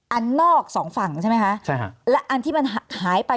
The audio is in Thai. อันนอกสองฝั่งใช่ไหมคะใช่ฮะและอันที่มันหายไป